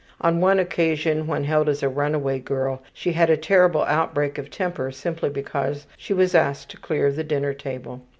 On one occasion, when held as a runaway girl, she had a terrible outbreak of temper simply because she was asked to clear the dinner table.